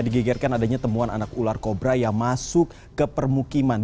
digegerkan adanya temuan anak ular kobra yang masuk ke permukiman